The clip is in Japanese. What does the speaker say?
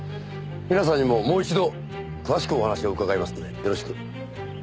皆さんにももう一度詳しくお話を伺いますのでよろしく。